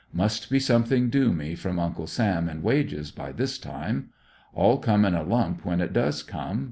Must be something due me from Uncle Sam in wages, by this time. All come in a lump when it does come.